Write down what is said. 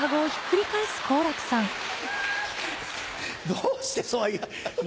どうしてそういう。